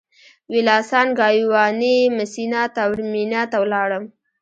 ویلاسان ګایواني مسینا تاورمینا ته ولاړم.